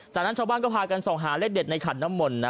จากนั้นชาวบ้านก็พากันส่องหาเลขเด็ดในขันน้ำมนต์นะ